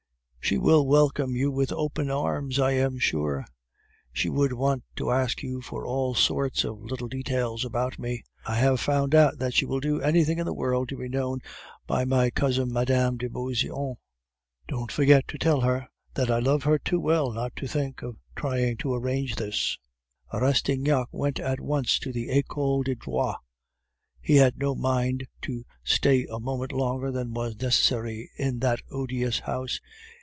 "She will welcome you with open arms, I am sure; she would want to ask you for all sorts of little details about me. I have found out that she will do anything in the world to be known by my cousin Mme. de Beauseant; don't forget to tell her that I love her too well not to think of trying to arrange this." Rastignac went at once to the Ecole de Droit. He had no mind to stay a moment longer than was necessary in that odious house.